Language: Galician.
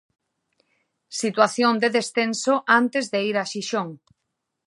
Situación de descenso antes de ir a Xixón.